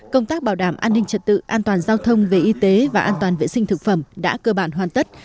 công tác bảo đảm an ninh trật tự an toàn giao thông về y tế và an toàn vệ sinh thực phẩm đã cơ bản hoàn tất